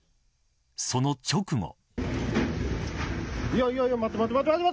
その直後。